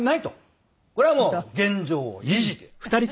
これはもう現状維持で。